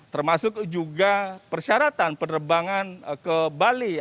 termasuk juga persyaratan penerbangan ke bali